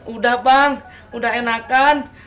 udah bang udah enakan